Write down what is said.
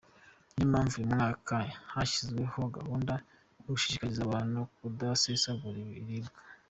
Ni yo mpamvu uyu mwaka hashyizweho gahunda yo gushishikariza abantu kudasesagura ibiribwa”.